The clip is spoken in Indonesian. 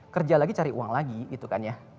kerja lagi cari uang lagi gitu kan ya